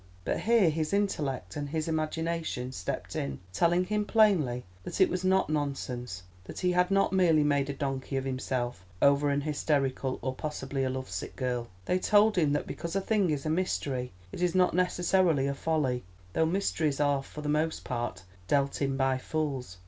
But here his intellect and his imagination stepped in, telling him plainly that it was not nonsense, that he had not merely made a donkey of himself over an hysterical, or possibly a love sick girl. They told him that because a thing is a mystery it is not necessarily a folly, though mysteries are for the most part dealt in by fools.